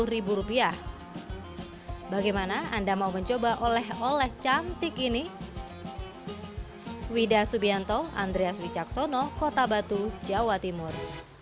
rp lima puluh bagaimana anda mau mencoba oleh oleh cantik ini wida subianto andreas wicaksono kota batu jawa timur